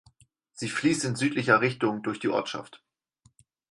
Sie fließt in südlicher Richtung durch die Ortschaft.